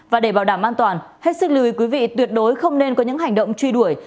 và để bảo đảm an toàn hết sức lưu ý quý vị tuyệt đối không nên có những hành động truy đuổi